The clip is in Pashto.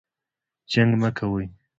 جنګ مه کوئ